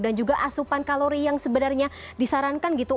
juga asupan kalori yang sebenarnya disarankan gitu